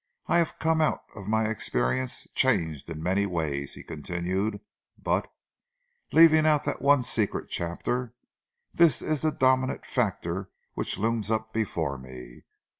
I have come out of my experience changed in many ways," he continued, "but, leaving out that one secret chapter, this is the dominant factor which looms up before me.